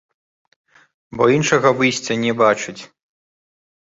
Бо іншага выйсця не бачыць.